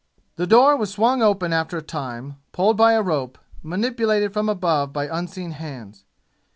The door was swung open after a time, pulled by a rope, manipulated from above by unseen hands.